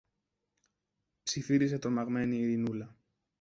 ψιθύρισε τρομαγμένη η Ειρηνούλα.